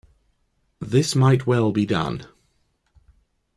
This might well be done.